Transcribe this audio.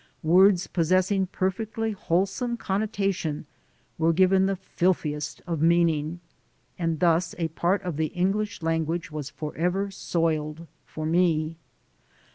Words possessing perfectly wholesome con notation were given the filthiest of meaning, and thus a part of the English language was forever soiled for me.